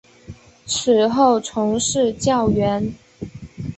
此后从事教员。